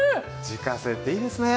自家製っていいですね。